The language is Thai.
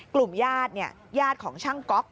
กลุ่มหญ้าอย่าดของช่างก๊อก